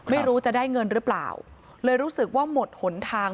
ไม่รู้จะได้เงินหรือเปล่าเลยรู้สึกว่าหมดหนทาง